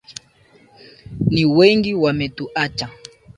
Ni wengi wametuacha.